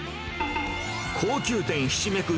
高級店ひしめく